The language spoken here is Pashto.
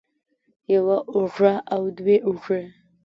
يوه اوږه او دوه اوږې